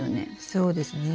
そうですね。